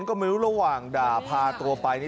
ลุกระหว่างด่าพาตัวไป